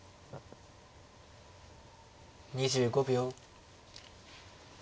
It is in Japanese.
２５秒。